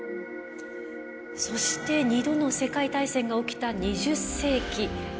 そして２度の世界大戦が起きた２０世紀。